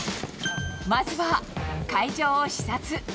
まずは、会場を視察。